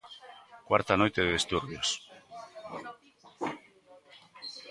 Cuarta noite de disturbios.